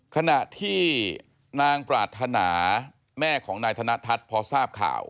ขณะที่นางปรารถนาแม่ของนายธนทัศน์พอทราบข่าว